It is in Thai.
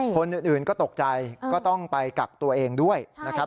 คนอื่นก็ตกใจก็ต้องไปกักตัวเองด้วยนะครับ